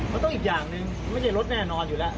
มันต้องอีกอย่างหนึ่งไม่ใช่รถแน่นอนอยู่แล้ว